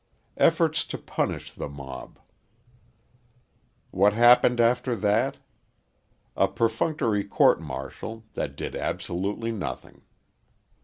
Efforts to Punish the Mob What happened after that? A perfunctory court martial, that did absolutely nothing.